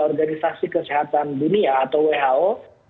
organisasi kesehatan dunia atau who